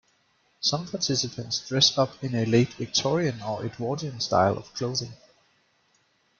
Some participants dress up in a late Victorian or Edwardian style of clothing.